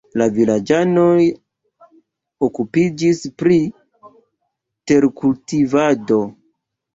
La vilaĝanoj okupiĝis pri terkultivado.